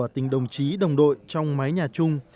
tổng chí đồng đội trong mái nhà chung